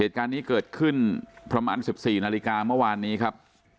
เหตุการณ์นี้เกิดขึ้นประมาณ๑๔นาฬิกาเมื่อวานนี้ครับ